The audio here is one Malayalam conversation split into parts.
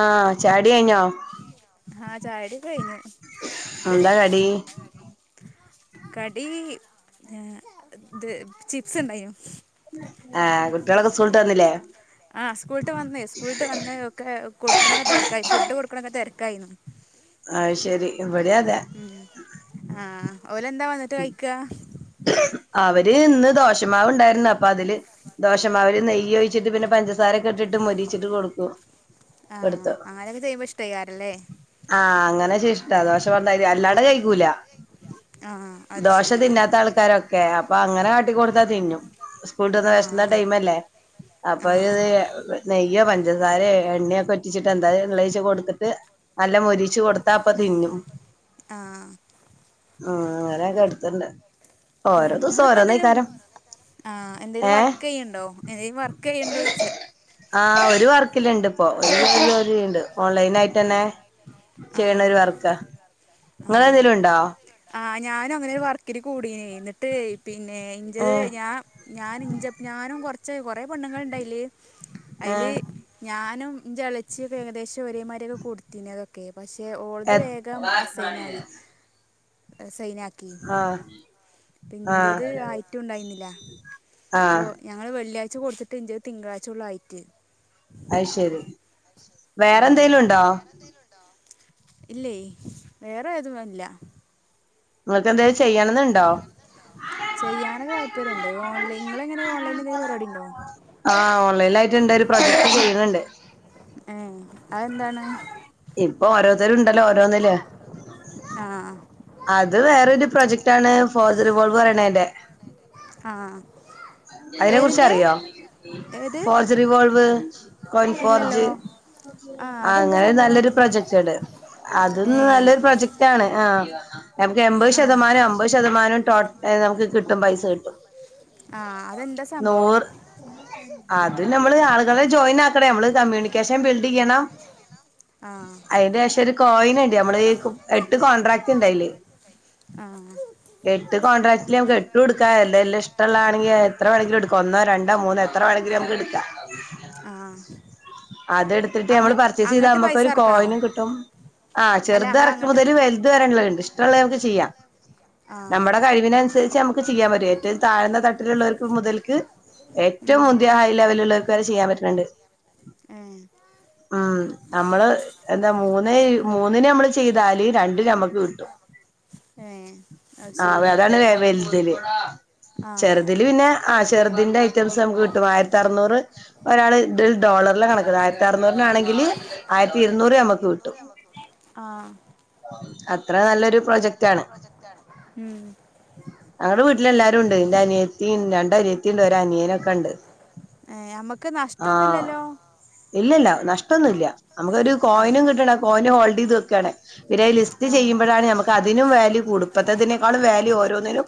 ആഹ് ചായടി കയിഞ്ഞോ? ആഹ് ചായടി ഒക്കെ കയിഞ്ഞു- കടി ചിപ്സ് ഉണ്ടായി- ആഹ് കുട്ടികളൊക്കെ സുകൂളിട്ട് വന്നില്ലേ- ആഹ് സ്കൂള്ട്ട് വന്ന് സ്കൂള്ട്ട് വന്ന് ഇവക്ക് കൊടുക്കണൊക്ക തിരക്കായി ഫുഡ് കൊടുക്കണൊക്കെ തെര ക്കായിനു- അയ് ശെരി ഇവിടെ അതെ- ഓല എന്താ വന്നിട്ട് കഴിക്കാ- അവര് ഇന്ന് ദോശമാവ് ഉണ്ടായിര്ന്നു അപ്പൊ അതില് ദോശ- മാവില് നെയ്യ് ഒഴിച്ചിട്ട് പിന്നെ പഞ്ചസാ പഞ്ചസാരൊക്കെ ഇട്ടിട്ട് മൊരിച്ചിട്ട് കൊടുക്കും- ആഹ് അങ്ങനെയൊക്കെ ചെയ്യുമ്പോ ഇഷ്ടായി അല്ലേ- അങ്ങനെച്ചാ ഇഷ്ട ദോശ പറഞ്ഞാല് അല്ലാണ്ട് കഴിക്കൂല- ആഹ് അത് ശരി- രക്കെ അപ്പൊ അങ്ങനെ കാട്ടികോടുത്താ തിന്നും സ്കൂലിട്ടു വിഷന്ന ടൈല്ലേ അപ്പത് നെയ് - നെയ്യോ പഞ്ചസാരയോ എണ്ണയൊക്കെ വറ്റിച്ചിട്ട് എന്തായാലും ഉള്ളവെച്ചാ കൊടുത്തിട്ട് നല്ല മൊരിച്ച് കൊടു- അതാപ്പത്തിന്നും ആ അങ്ങനെ ഒക്കെ എടുത്തിണ്ട് ഉം നിങ്ങൾ ഇപ്പോ എന്തേലും ആ എന്തേലും വർക്ക് ചെയ്യണ്ടോ എന്തേലും വർക്ക് ചെയ്യുന്നുണ്ടോ ചോയ്ച്ച ആ ഒരു വർക്കില് ഇണ്ട് ഇപ്പോ ഒരു വോ ഉണ്ട് ഓൺലൈൻ ആയിട്ട് തന്നെ ചെയ്യണ ഒരു വർക്ക് നിങ്ങൾ ഏതേലും ഉണ്ടോ ഞാനും അങ്ങനെ വർക്കില് കൂടിനെ എന്നിട്ട് പിന്നെ ഇഞ്ചത് ഞാൻ ഞാൻ ഇഞ്ച ഞാനും കൊറച്ച് ച്ച് കുറെ പെണ്ണുങ്ങൾ ഇണ്ട് അതില് അതില് ഞാനും എന്റെളച്ചി ഏകദേശം ചൊറിയമാരൊക്കെ കൊടുത്തിനത് പക്ഷേ ഓളത് വേഗം അസൈനായി അസൈനാ ക്കി ഇപ്പൊ ഇൻ്റെത് ആയിറ്റുണ്ടായിരുന്നില്ല അപ്പൊ ഞങ്ങള് വെള്ളിയാഴ്ച കൊടുത്തിട്ട് ഇൻ്റത് തിങ്കളഴ്ച ഉള്ള ആയിട്ട് അയ് ശെരി വേറെന്തേലും ഉണ്ടോ? ഇല്ലേ വേറെ ഏതും ഇല്ല. നിങ്ങൾക്ക് എന്തേലും ചെയ്യണന്നുണ്ടോ? അല്ല നിങ്ങളെങ്ങനെ ഓൺലൈൻല് എന്തെങ്കിലും പരിപാടി ഉണ്ടോ? ആഹ് ഓൺലൈൻലായിട്ട്ണ്ട് ഒരു പ്രൊജക്റ്റ് ചെയ്യണിണ്ട്. ആഹ് ഇപ്പൊ ഓരോരുത്തരും ഉണ്ടല്ലോ ഓരോന്നില് അത് വേറൊരു പ്രൊജക്ട് ടാണ് ഫോജ് റി വോൾവ് പറയണേന്റെ അതിനെ കുറിച്ചറിയോ ഫോർജറിവോൾവ് അ കൊൻഫോർജ് അങ്ങനെ നല്ലൊരു പ്രൊജക്ട്ണ്ട് അതന്ന് നല്ലൊരു പ്രൊജക്ട് ആണ് ആഹ് നമ്ക്ക് എൺമ്പത് ശതമാനം അമ്പത് ശതമാനവും ടോ തായത് നമുക്ക് കിട്ടും പൈസ കിട്ടും നൂർഅത് നമ്മള് ആളുകളെ ജോയിൻ ആ ത്രനമ്മൾ കമ്മ്യണിക്കേഷൻ ബിൽഡ ടിയണം അയിന്റെഷം ഒരു കോയിന്ട അമ്മള് എട്ട് കോണ്ടട്രാക്ട് ണ്ടയ്ല് എട്ട് കോൺട്രാക്റ്റില് മക്ക് എട്ടുട്ക്കാ എന്ത എല്ല ല്ല ഇഷ്ടള്ള എത്ര വേണങ്കിലും എട്ക്ക ഒന്നോരണ്ടോ മൂന്നോ എത്ര വേണങ്കിലും നമുക്ക് എടുക്ക ഇട്ട് കിട്ടിയാ നമ്മൾ പർച്ചേസ് ചെയ്താ നമ്മക്കൊരു കോയിനുംകിട്ടും ആ ചെറുത് ഇറക്കുമ മുതല് വലുത് വരെ യുള്ളത്ണ്ട് ഇ- ള്ളവർക്ക് ചെയ്യാം നമ്മുടെ കഴിവിനനുസരിച്ച് നമുക്ക് ചെയ്യാൻ പറയും താഴ്ന്ന തട്ട മറ്റുള്ളവർക്ക് മുതൽക്ക് ഏറ്റവും മുന്തിയ ഹൈലെവലുള്ള വരെ ചെയ്യാൻ പറ്റുന്നുണ്ട് ആഏ [unintelligible] മ നമ്മള് എന്താ മൂന്ന് മൂന്നിന് നമ്മള് ചെയ്താല് രണ്ടിന് നമ്മുക്ക് കിട്ടും ആഹ് അതാണ് വൽ വലുത് ല് ചെറ്തിൽ പിന്നെ ആഹ് ചെറുതിന്റെ ഐറ്റംസ് നമുക്ക് കിട്ടും ആയിരത്തി അറുനൂറ് ഒരാൾ ഡോളറ്ല് കണക്ക ആയിരത്തി അറനൂറിനാണെങ്കില് ആയിരത്തി ഇരുന്നൂറ് നമക്ക് കിട്ടും അത് അത്ര നല്ലൊരു പ്രൊജക്റ്റാണ് ഞങ്ങൾട വീട്ടില എല്ലാരും ഉണ്ട് ഇന്റ നീയത്തിം രണ്ട് അനീത്തിണ്ട് ഒര നിയനൊക്കെ ഇണ്ട് ആഹ് ഇല്ലല നഷ്ട അതൊന്നുല്ല്യ നമുക്കൊരു കോയിനും കിട്ടണം കോയിന് ഹോൾഡ് ചെയ്ത് വെക്കാണ് ഇവര് ലിസ്റ്റ് ചെയ്യുമ്പോഴാണ് ഞമുക്ക് അതിനും വാല്യൂ കൂട ഇപ്പഴത്തെതിനേക്കാളും വാല്യൂ ഓരോന്നിനും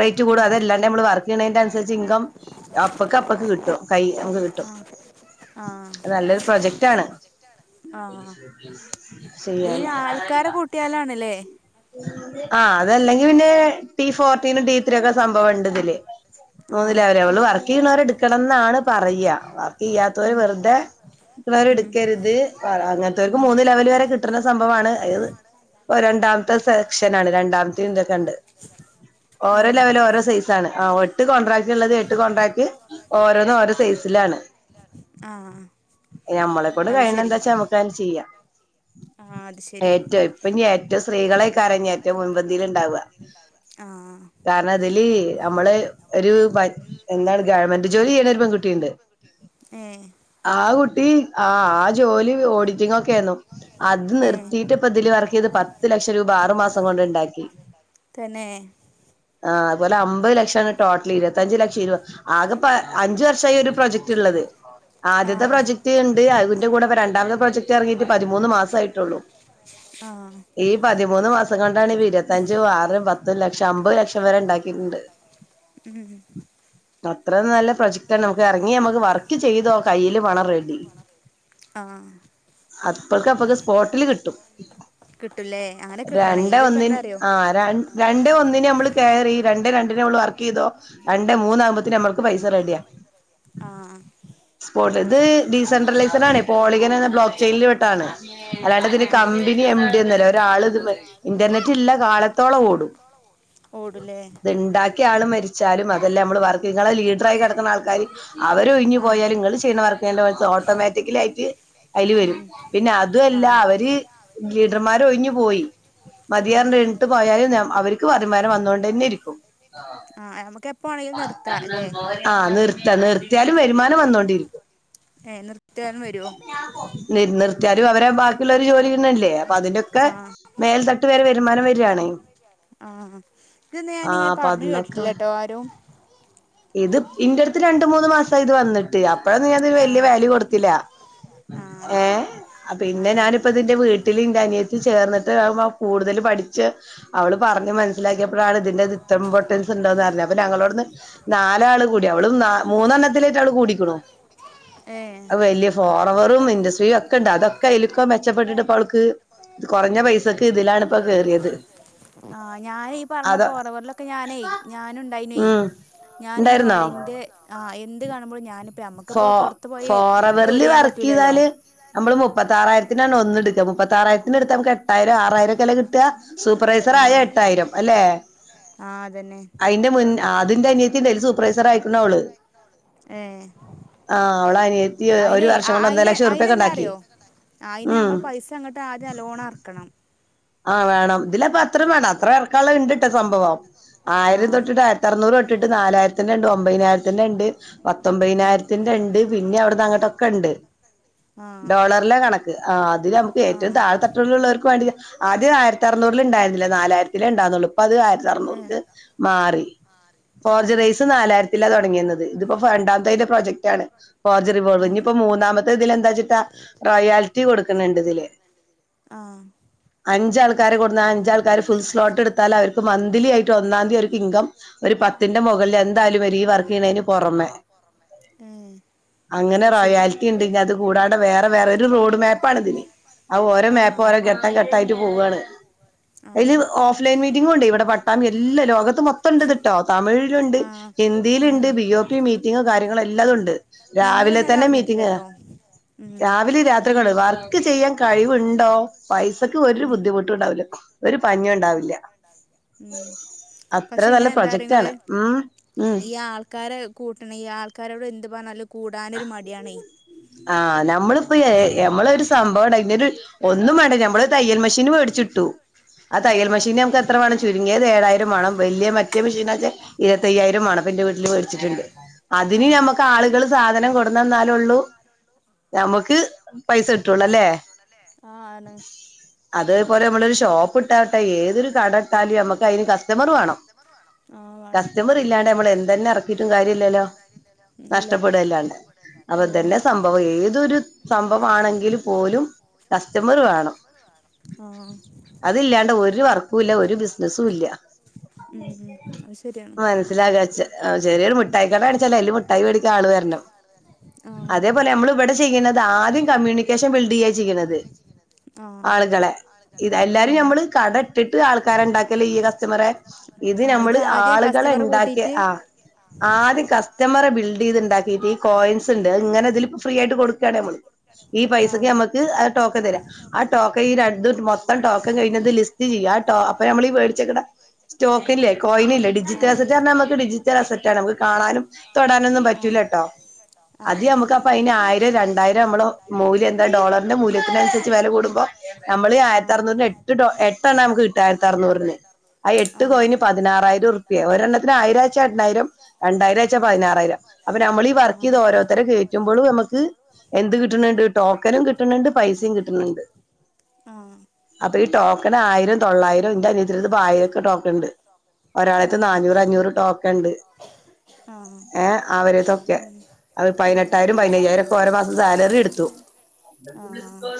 റേറ്റ് കൂടും അതെല്ലാം നമ്മള് വർക്ക് ചെയ്യണ അൻസര്ച്ച് ഇൻകം അപ്പക്ക് അപ്പക്ക് കിട്ടും കൈ നമുക്ക് കിട്ടും നല്ലൊരു പ്രൊജക്ട് ആണ് ശരിയല്ലേ ആ അതല്ലെങ്കി പിന്നെ ടി ഫോർട്ടീനും ടി ത്രീ ഒക്കെ സംഭവണ്ട് ഇതില് മൂന്നില അവരെ അവള് പറ ടീം ന്നവരെ ഇട്ക്കണം ഇന്നാണ് പറയ ബാക്ക്യാത്തരു വെറുതെ പിള്ളാര് എടുക്കരുത് അങ്ങനത്തെവർക്ക് മൂന്ന് ലെവൽ വരെ കിട്ടണ സംഭവമാണ് അത് രണ്ടാമത്തെ സെക്ഷനണ് രണ്ടാമത്തെ ഇതക്കണ്ട് ഓരോ ലെവൽ ഓരോ സൈ ഒട്ട് കോൺട്രാക്ട് ഉള്ളത് എട്ട് കോൺട്രാക്ട് ഓരോന്നും ഓരോ സൈസിലാണ് ഞമ്മളെക്കൊണ്ട് കയ്യ്ണ എന്താച്ചാ നമുക്ക് യ്ന് ചെയ്യ ആഹ് അത് ശെരി ആഹ് നമ്മള് ഒരു ബ എന്താണ് ഗവൺമെന്റ് ജോലി ചെയ്യണരു പെൺകുട്ടി ഇണ്ട് ആഹ് കുട്ടി ആഹ് ആ ജോലി ഒഡിറ്റിങ്ങൊക്കേ [unintelligible] ന്നും അത് നിർത്തിയിട്ട്പ്പ ഇതില് വർക്ക ഇത് പത്ത് ലക്ഷം രൂപ ആറു മാസം കൊണ്ട് ഇണ്ടാക്കി ആഹ് അതുപോലെ അം ഒരു ലക്ഷങ്ങൾ ടോട്ട്ല് ഇരുപത്തഞ്ച് ലക്ഷം ഇര്വത് ആകെ പ അഞ്ച് വർഷായി ഒരു പ്രൊജക്ട് ഇള്ളത് ആദ്യത്തെ പ്രൊജക്ട് ഇണ്ട് അതിന്റെ കൂടെ രണ്ടാമത്തെ പ്രൊജക്ട് എറങ്ങീട്ട് പതിമൂന്ന് മാസം ആയിട്ടൊള്ളൂ ഈ പതിമൂന്ന് മാസം കൊണ്ടാണ് ഇ ഇര്ത്തഞ്ചും ആറ് പത്തും ലക്ഷം അമ്പത് ലക്ഷം ഭക്ഷം വരെ ഇണ്ടാക്കീട്ട്ണ്ട് ഉം ത്ര നല്ല പ്രൊജക്ട് നമുക്ക് എർങ്ങി നമുക്ക് വർക്ക് ചെയ്തോ കയ്യ്ല് പണം റെഡി അപ്പൊക്കപ്പക്ക് സ്പോട്ടില് കിട്ടും രണ്ട ഒന്നിന് ആ രണ്ട ഒന്നിന് നമ്മള് കയറി രണ്ട രണ്ട് വർക്കെയ്തോ രണ്ടെ മൂന്നാകുമ്പത്തിന് മക് പൈസ റെഡിയ ആഹ പോട്ടത് ഡി സെൻഡ്രലൈസഡാണെ പോളികനെന്ന ബ്ലോ എല്ല് വെട്ടാണ് അല്ലാണ്ട് അതിന് കമ്പനി എം ഡിന്നല്ല ഒരാൾ ഇത് ഇന്റർനെറ്റ് ഇല്ല കാലത്തോളം ഓടും ഓടുലേ ക്കാ രാള് മരിച്ചാലും അതെല്ലാം നമ്മള് വർക്ക് നിങ്ങളെ ലീഡറായി കിടക്കുന്ന ആൾക്കാര് അവര് ഒഴിഞ്ഞു പോയാലും നിങ്ങള് ചെയ്യണ വർക്ക്‌ വെച്ച് ഓട്ടോമാറ്റിക്കലി ആയിട്ട് അയില് വരും പിന്നെ അതു അല്ല അവര് ലീഡർമാര് ത് ഒഴിഞ്ഞു പോയി മതിയാറിന്റെ ഇട്ട് പോയാലും അവർ ക്ക്‌ വരുമാനം വന്നോണ്ട് തന്നെ ഇരിക്കും ആഹ ഞമ്മക്ക് എപ്പ് ആഹ് നിർത്തി ഇ നിർത്തിയാലും വരുമാനം വന്നോണ്ടിരിക്കും നി നിർത്തി അറ്റാരും അവരെ ബാക്കിയുള്ള ഒരു ജോലിചെയ്യുന്നേല്ലേ അപ്പൊ അതിന്റെ ഒക്കെ മേൽത ട്ട് വരെ വരുമാനം വരാണ്. ഇത് ന്നാ ഞാനിങ്ങനെ പറഞ്ഞു കേട്ടിട്ടില്ല ട്ടോ ആരും. ഇത് ഇന്റെട്ത്ത് രണ്ട് മൂന്ന് മാസായി ഇത് വന്നിട്ട് അപ്പോഴൊന്നും ഞാനിതിന് വല്യ വാല്യൂ കൊടുത്തില. ഏഹ് പിന്നെ ഞാനിപ്പ ഇതിന്റെ വീട്ടിൽ ഇന്റെ അനിയ ത്തി ചേർന്നിട്ട് അയ്മം കൂടുതൽ പഠിച്ച് അവള് പറഞ്ഞു മനസ്സിലാക്കിയപ്പഴാണ് ഇതിന്റെത് ഇത്ര ഇമ്പോർട്ടൻസ് ഇണ്ടോന്നർഞ്ഞത്. അപ്പൊ ഞങ്ങളോട്ന്ന് നാലാള് കൂടി. അവളും നാ മൂന്നെണ്ണത്തിലേയ്ട്ട് അവള് കൂടിക്ണു. അഹ് വല്യ ഫോറവറും ഇൻഡസ്ട്രിയും ഒക്കെ ഇണ്ട്. അതൊക്കെ അയിലിക്ക മെച്ചപ്പെട്ടിട്ട് ഇപ്പ അവൾക്ക് കൊറഞ്ഞ പൈസക്ക്‌ ഇതിലാണ് ഇപ്പ കേറിയത്. അത ഉം ഞാനിങ്ങനെ ഓൺലൈന്റെ ആ എന്ത് കാണുമ്പഴും ഞാനിപ്പം ഞമ്മക്കിപ്പം ഫോറവറില് വർക്ക് ചെയ്താല് നമ്മള് മുപ്പത്താറായി രത്തിനാണ് ഒന്ന് ടക്കാ മുപ്പത്താറായിരത്തിന് ഇട്ത്താ നമുക്ക് എട്ടായിരം ആറായിരൊക്കല്ലെ കിട്ടാ സൂപ്പർവൈസർ ആയാ എട്ടായിരം അല്ലേ? അയിന്റെ മുന്ന് ആഹ് അത് ന്റെ അനിയ ത്തിണ്ട് അയ്ല്. സൂപ്പർവൈസർ ആയിക്ക്ണോള് ഏഹ് അയ്നേ അ അയ്ന് അയിനന്താ അറിയോ അയിനെ നമ്മൾ പൈസ അങ്ങട്ട് ആദ്യം നല്ലോണ അർക്കണം. ആഹ് വേണം. ഇതിലപ്പ അത്ര വേണ്ടാ അത്രേഅർ ക്കാളത്ണ്ട് സംഭവം ആയിരം തൊട്ട് ട്ട് ആയിരത്തർന്നൂറ് തൊ ഇട്ടിട്ട് നാലായിരത്തിന്റെ ഇണ്ട് ഒമ്പതിനായിരത്തിന്റെ ഇണ്ട് പത്തൊമ്പതിനായിരത്തിന്റെണ്ട് പിന്നെ അവിട്ന്ന് അങ്ങട്ടൊക്കെ ഇണ്ട് ഡോളറിലെ കണക്ക് ആ അത് അത് നമുക്ക് ഏറ്റവും താഴെ തട്ടി ലുള്ളവർക്ക് വേണ്ടി ആദ്യം ആയിരത്തി അറുന്നൂറിൽ ഉണ്ടായിരുന്നില്ല നാലായിരത്തിലേ ഉണ്ടാകുന്നള്ളു ഇപ്പത് ആയിരത്തി അർനൂറ്ക്ക് മാറി ഫോർജ് റൈസ് നാലായിരത്തിലാ തൊ ടങ്ങിയുന്നത് ഇതിപ്പോ രണ്ടാമത്തെതിന്റെ പ്രൊജക്റ്റ ആണ് ഫോർജ് റിവോൾവ് ഇനി ഇപ്പോ മൂന്നാമത്തെ ഇതിലെന്താ വച്ചിട്ടാ റോയാലിറ്റി കൊടുക്കണണ്ട് ഇതില് അഞ്ചാൾ ക്കാരെ കൊട്ന്നാ അഞ്ചാൾക്കാര് ഫുൾ സ്ലോട്ട് എടുത്താൽ അവർക്ക് മന്ത്ലി ആയി ഒന്നാംതി അവക്ക് ഇൻകം ത്തിന്റെ ന്റെ മുകളിൽ എന്തായാലും വരും ഈ വർക്ക് ചെയ്യണതിന് പുറമെ അങ്ങനെ റോയാലിറ്റി ഇണ്ട് ഇനി അത് കൂടാണ്ടെ വേറെ വേറെ ഒരു റോഡ് മേപ്പാണ് ഇതിന് അ ഓരോ മേപ്പും ഓരോ ഘട്ടം ഘട്ടംആയി പോവാണ്. അതില് ഓഫ് ലൈൻ മീറ്റിങ്ങും ഇണ്ട് ഇവിടെ പട്ടാമ്പി എല്ല ലോകത്ത് മൊത്തം ഇണ്ട്ട്ടോ തമിഴിലുണ്ട് ഹിന്ദിയിലിണ്ട് ബി ഒ പി മീറ്റിങ്ങ് കാര്യ കാര്യങ്ങളൊ എല്ലതുണ്ട് രാവിലെ തന്നെ മീറ്റിംഗ് രാവിലിം രാത്രിക്കെണ്ട് വർ ക്ക് ചെയ്യാൻ കഴിവുണ്ടോ പൈസ ഒരു ബുദ്ധിമുട്ടും ഉണ്ടാവില്ല ഒരു [unintelligible] ഉണ്ടാവില്ല ഉം പക്ഷെ ഇങ്ങനെ എന്താറിയോ ങ്ങള് ഈ ആൾക്കാരെ കൂട്ടണ ഈ ആൾക്കാരോട് എന്ത് പർഞ്ഞാല് കൂടാനൊരു മടിയാണേ ആ നാം നമ്മളിപ്പോ നമ്മളരു സംഭവണ്ട് അയ്ന്റെരു ഒന്നും വേണ്ട ഞമ്മള് തയ്യൽ മെഷീന് വേട്ച്ചിട്ടു ആ തയ്യൽ മെഷീൻ നമ്മക്ക് എത്ര വേണം ചുരുങ്ങിയത് ഏഴായിരം വേണം വലിയ മറ്റ മെഷീൻ വെച്ചൽ ഇരുപത്തയായിരം ആണപ്പ എന്റെ വീട്ടിൽ മേടിച്ചിട്ടുണ്ട് അതിന് നമ്മുക്ക് ആളുകൾ സാധനം കൊടു കുണ്ടന്നന്നന്നാലേ ഉള്ളൂ നമ്മുക്ക് പൈസ കിട്ടുളല്ലേ ആഹ് ആണ അത് ലെ നമ്മളൊരു ഷോപ്പ് ഇട്ടാവട്ടെ ഏതൊരു കട ഇട്ടാലും നമക്ക് അതിന് കസ്റ്റമർ വേണം കസ്റ്റമർ ഇല്ലാണ്ട് നമ്മള് എന്തന്നെ ഇറക്കിയിട്ടും കാര്യം ഇല്ലല്ലോ നഷ്ടപ്പെടുല്ലാണ്ട് അപ്പൊ തന്നെ സംഭവം ഏതൊരു സംഭവമാണെങ്കില് പോലും കസ്റ്റമർ വേണം അതില്ലാണ്ട് ഒരു വർക്കും ഇല്ല ഒരു ബിസിനസും ഇല്ല മനസ്സിലാകാച്ച ചെറിയൊരു മിഠായിക്കട കണിച്ചാല വല് മിഠായി മേടിക്കാ ആള് വരണം അതേപോലെ നമ്മള് ഇവിടെ ചെയ്യുന്നത് ആദ്യം കമ്മ്യൂണിക്കേഷൻ ബിൽഡ് ചെയ്യായി ചെയ്യുന്നത് ആളുകളെ ഇത് എല്ലാരും നമ്മള് കട ഇട്ടിട്ട് ആൾക്കാരെ ഉണ്ടാക്കിയല്ലേ ഈ കസ്റ്റമറെ ഇത് നമ്മള് ആളുകളെ ഉണ്ടാക്കിയ ആ ആദ്യ കസ്റ്റ കസ്റ്റമറെ ബിൽഡ് ചെയ്തു ഉണ്ടാക്കിട്ട് ഈ കോയിൻസ് ഉണ്ട് ഇങ്ങനെ ഇതിലപ്പപ്പോ ഫ്രീ ആയിട്ട് കൊടുക്കാണ് നമ്മള് ഈ പൈസക്ക് നമുക്ക് ആ ടോക്ക തരാം ആ ടോക്ക ഈ മൊത്തം ടോക്കം കഴിഞ്ഞത് ലിസ്റ്റ് ചെയ്യാം അപ്പൊ നമ്മളീ മേടിച്ചക്ക്ണ സ്റ്റോക്കില്ലേ കോയിന് ഇലേ ഡിജിറ്റൽ അസറ്റ് പറഞ്ഞാൽ നമുക്ക് ഡിജിറ്റൽ അസറ്റാ ണ് നമുക്ക് കാണാനും തൊടാനുംന്നും പറ്റൂലട്ടോ അത് നമുക്ക് അപ്പ അയിന് ആയിരം രണ്ടായിരം നമ്മള് മൂല്യം എന്താ ഡോളറിന്റെ മൂല്യത്തിനനുസരിച്ച് വില കൂടുമ്പോൾ നമ്മള് ആയിരത്തി അറുന്നൂറിന് എട്ട് എട്ടാണ് നമുക്ക് കിട്ട ആയിരത്തറുന്നൂറിന് ആ എട്ട് കോയിന് പതിനാറ് ഒരെണ്ണത്തിന് ആയിരാഴ്ച്ച രണ്ടായിരം രണ്ടായിരാഴ്ച്ച പതിനാറായിരം അപ്പൊ നമ്മളീഈ ഓരോരുത്തരെ കേറ്റുമ്പോഴും നമുക്ക് എന്ത് കിട്ടുന്നുണ്ട് ടോക്കനും കിട്ടുന്നുണ്ട് പൈസയും കിട്ടുന്നുണ്ട് അപ്പ ഈ ടോ എനെ ആയിരം തൊള്ളായിരം എന്റെ അനിയത്തിടടത്ത് ആയിരം ടോക്ക ഉണ്ട് ഒരാളത്ത് നന്നൂറ് അഞ്ഞൂറ് ടോക്ക ഉണ്ട് ഏഹ് അവരതൊക്കെ അ പതിനെട്ടായിരം പതിനയ്യായിരം ഒക്കെ ഓര മാസം സാലറി എടുത്തു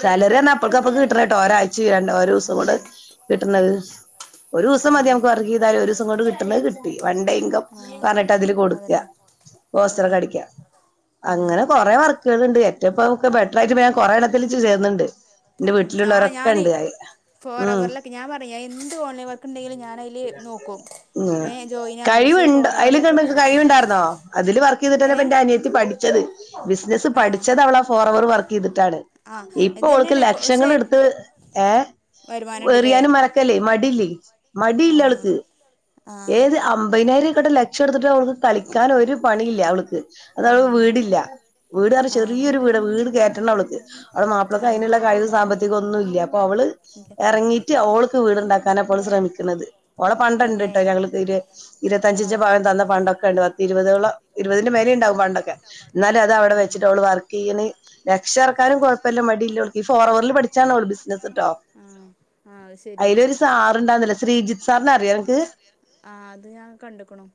സാലറി പറഞ്ഞാ ഓൾക്കപ്പ കിട്ടണ ട്ടോ ഒരാഴ് ഓരോ ദിവസം കൊണ്ട് കിട്ടുന്നത് ഒരു ദിവസം മതി നമുക്ക് വർക്ക് ചെയ്താലല് ഒരു ദിവസം കൊണ്ട് കിട്ടുന്നത് കിട്ടി വൺഡേ ഇൻകം പറഞ്ഞിട്ട് അതില് കൊടുക്കുക കാസ്ത്ര അടിക്ക അങ്ങനെ കുറെ വർക്കുകളൾ ഉണ്ട് ഏറ്റം ഇപ്പെ ബെറ്റർ ആയിട്ട് ഞാൻ കൊറെ ഇടത്തിൽ ചേർന്നണ്ട് ഉ ഞാ ഞാനേ ഫോർ അവവറിലൊക്കെ ഞാൻ പറഞ്ഞു എന്ത് ഓൺലൈൻ വർക്ക് ഉണ്ടെങ്കിലും ഞൻ അതില് നോക്കും ഏ ജോയിൻ ആകും പക്ഷെ ഫോർ അവറിലൊക്കെ അതില് വർ പന്റെ അനിയത്തി പടി ച്ചത് ബിസിനസ്സ് പഠിച്ചത് അവള ഫോർവേർ വർ ക്ക് യെ്തിട്ടാണ് ഇപ്പ ഓൾക്ക് ലക്ഷങ്ങൾ ഇട്ത്ത് ഏ എറിയാനും മനക്കല്ലേ മടി ഇല്ലെയ് മടിയില്ല അവൾക്ക് ഏത് അമ്പയിനായിരം ഇങ്ങട്ട് ലക്ഷം ഇട്ത്ത്ട്ട് അവൾക്ക് കളിക്കാൻ ഒരു പണിയില്ല അവൾക്ക് അത് അവൾ വീടില്ല വീട് പർണാ ചെറിയ ഒരു വീട് വീട് കേറ്റണം അവൾ [unintelligible] അവളെ മാപ്പളക്ക് അയിന്ള്ള കഴിവ് സാമ്പത്തികം ഒന്നും ഇല്ല അപ്പൊ അവള് എറങ്ങീറ്റ് ഓൾ ക്ക് വീട് ഇണ്ടാക്കാനാ ഇപ്പോൾ ശ്രമിക്ക്ണത് ഓളെ പണ്ടം ഇണ്ട്ട്ടൊ ഞങ്ങൾ തെരാ ഇരത്തഞ്ചിച്ച പവൻ തന്ന പണ്ടൊക്കെ ഇണ്ട് പത്ത്. ഇരുപതോളം ഇരുപതിന്റെ മേലെ ഇണ് ണ്ടാവും പണ്ടൊക്കെ എന്നാലും അത് അവിടെ വെച്ചിട്ട് അവള് വർക്ക് ചെയ്യണ് ലക്ഷം ഇറക്കാനും കൊഴപ്പേല്ല മടിയില്ല ഇവൾക്ക് ഈ ഫോർ ഔറിൽ പടിച്ചാണ് അവള് ബിസിനെസ്സ് ട്ടോ അയില് ഒരു സാർ ഇണ്ടാർന്നല്ലോ ശ്രീജിത്ത് സാറിനെ അറി ആഹ് അത് ഞാൻ കണ്ടേക്കണു.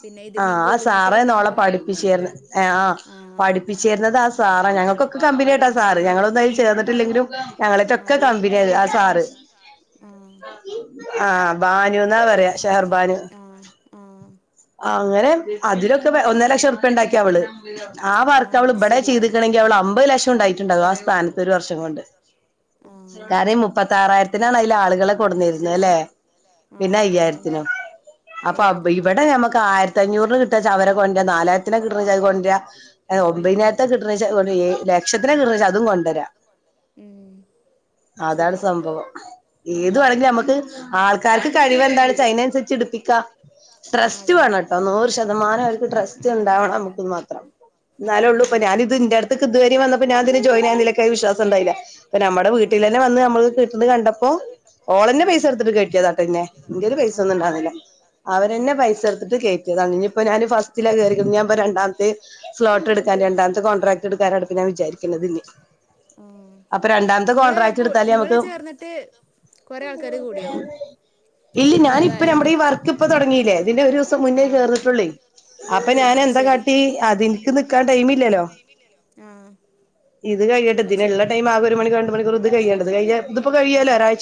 പിന്നെ ഇത് മീ ഗൂഗിൾ മീറ്റ് ഒക്കെ ഉണ്ടാവുമ്പോ പ്പിച്ചേർന്ന് ഏഹ് ആഹ് പഠിപ്പിച്ചേർന്നത് ആ സാർ ആ ഞങ്ങക്കൊക്കെ കമ്പനിയാട്ട സാർ ഞങ്ങള് അയി ചേർന്നിട്ടില്ലെങ്കിലും ഞങ്ങളൊക്കെ കമ്പനിയായത് ആ സാർ ആഹ് ബാനു എന്ന പറയ ഷഹർബാനു. അങ്ങനെ അതിലൊക്കെ ഒന്നര ലക്ഷം ഇപ്പ ഉണ്ടാക്കി അവള്. ആ വർക്ക് അവള് ഇവടെ ചെയ്ത് നിക്കണെങ്കി അവള് അമ്പതു ലക്ഷം ഉണ്ടാക്കിട്ടുണ്ടാവാ ആ സ്ഥാനത്ത് ഒരു വർഷം കൊണ്ട്. കാര്യം മുപ്പത്തിയാറായിരത്തിലാണ് അയില് ആളുകള് കൊണ്ടിരുന്നല്ലേ? പിന്നെ അയ്യായിരത്തിനും അപ്പ ഇവടെ നമ്മക്ക് ആയിരത്തഞ്ഞൂർന്ന് കിട്ടച്ച അവരെ കൊണ്ട് നാലായി ത്തിനെ കിട്ടനെവച്ച കൊണ്ടുര ഒമ്പതിനായിരത്ത കിട്ടനേവെച്ച അതുകൊണ്ട് ഏ ലക്ഷത്തിന് കിട്ടനേച്ച അതും കൊണ്ടരാം. ഉം അതാണ് സംഭവം. ഏത് വേണഗിൽ നമക്ക് ആൾക്കാർക്ക് കഴിവ് എന്താണ് വെച്ച അതിന് അനുസരിച്ച് ഇടുപ്പിക്ക. ട്രസ്റ്റ് വേണട്ടോ നൂറ് ശതമാനം അവർക്ക് ട്രസ്റ്റ് നമക്കും മാത്രം. എന്നാലെ ഉള്ളൂ ഇപ്പൊ ഞാൻ ഇത് ഇൻ്റെ അടുത്തേക്ക് ഇതുവരെ വന്നപ്പോ ഞാൻ ഇതിന് ജോയിനെയ്യാൻ നിലക്കായി വിശ്വാസം ഇണ്ടായില്ല നമ്മടെ വീട്ടിലന്നെ വന്ന് നമ്മൾക്ക് കിട്ടുന്നത് കണ്ടപ്പോ ഓളന്നെ പൈസ എടുത്തിട്ട് കേറ്റിയതാട്ട പിന്നെ എൻ്റെ കൈയില് പൈസ ഒന്നും ഉണ്ടാർന്നില്ല അവരെന്നെ പൈസ എടുത്തിട്ട് കേറ്റിയത്താണ് ഇനി ഇപ്പ ഞാൻ ഫസ്റ്റില് കേറി ഇനിയാകുമ്പ രണ്ടാന്തി സ്ലോട്ട് എടുക്കാൻ രണ്ടാമത്ത കോൺട്രാക്ട് എടുക്കാനാണ് ഇപ്പ ഞാൻ വിചാരിക്കുന്നത് ഇനി അപ്പ രണ്ടാമത്ത കോൺട്രാക്ട് എടുത്താലേ നമക്ക് ഇല്ല ഞാൻ ഇപ്പ നമ്മടെ ഈ വർക്ക് ഇപ്പ തൊണ്ടങ്ങീലെ അതിന്റെ ഒരു ദിവസം മുന്നേ കേരിട്ടൊളി അ ഞാൻ എന്താ കാട്ടി അതിന്ക്ക് നിക്കാ ടൈം ഇല്ലാലോ. ഇത് കഴിയട്ടെ ഇതിനൊള്ള ടൈം ആകെ ഒരു മണിക്കൂർ രണ്ട് മണിക്കൂർ ഇത് കഴിയണ്ട് അതു കഴിഞ്ഞ ഇതിപ്പൊ കഴിയല്ലോ ഒരാഴച